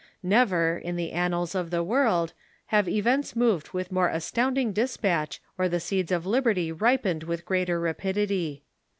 Never, in the annals of the world, have events moved with more astounding despatch or the seeds of liberty ripened with greater rapidity.